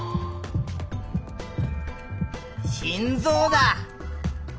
「心臓」だ。